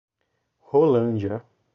Rolândia